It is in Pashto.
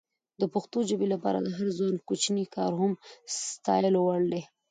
د پښتو ژبې لپاره د هر ځوان کوچنی کار هم د ستایلو وړ ده.